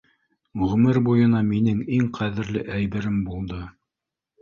Ғүмер буйына минең иң ҡәҙерле әйберем булды.